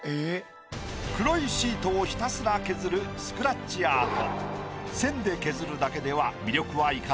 黒いシートをひたすら削るスクラッチアート。